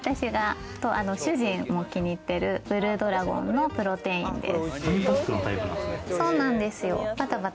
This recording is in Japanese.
主人も気に入ってるブルードラゴンのプロテインです。